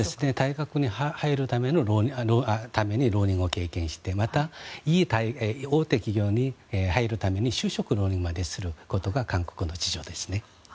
大学に入るために浪人を経験してまた、大手企業に入るために就職浪人まですることが韓国の事情ですね。